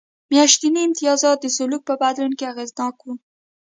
میاشتني امتیازات د سلوک په بدلون کې اغېزناک و